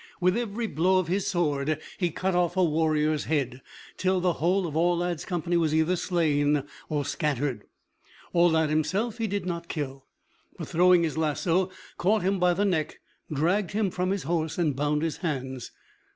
With every blow of his sword he cut off a warrior's head, till the whole of Aulad's company was either slain or scattered. Aulad himself he did not kill, but throwing his lasso, caught him by the neck, dragged him from his horse, and bound his hands.